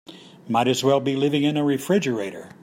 Might as well be living in a refrigerator.